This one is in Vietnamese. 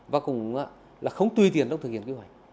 và cũng là không tùy tiền trong thực hiện kế hoạch